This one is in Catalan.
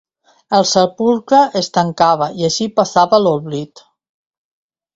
El sepulcre es tancava i així passava a l'oblit.